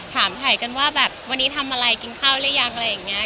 ถามถ่ายกันว่าแบบวันนี้ทำอะไรกินข้าวหรือยังอะไรอย่างนี้